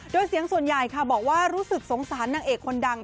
โดยเสียงส่วนใหญ่ค่ะบอกว่ารู้สึกสงสารนางเอกคนดัง